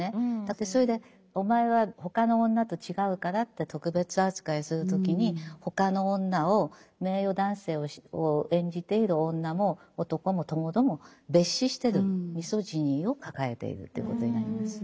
それでお前は他の女と違うからって特別扱いする時に他の女を名誉男性を演じている女も男もともども蔑視してるミソジニーを抱えているということになります。